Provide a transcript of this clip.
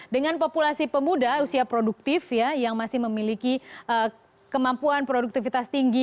dengan populasi pemuda usia produktif yang masih memiliki kemampuan produktivitas tinggi